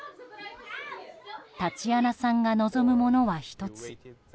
タチアナさんが望むものは１つ。